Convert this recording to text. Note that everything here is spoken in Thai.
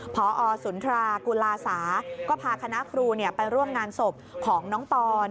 พอสุนทรากุลาสาก็พาคณะครูไปร่วมงานศพของน้องปอน